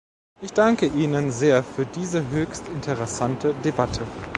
Ich danke Ihnen sehr für diese höchst interessante Debatte.